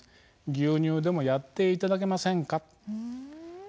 牛乳でもやっていただけませんか。